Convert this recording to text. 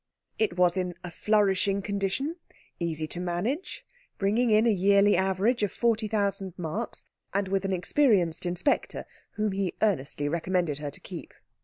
It was in a flourishing condition, easy to manage, bringing in a yearly average of forty thousand marks, and with an experienced inspector whom he earnestly recommended her to keep.